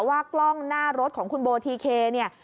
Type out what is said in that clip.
กล้องหน้ารถของคุณโบทีเคเนี่ย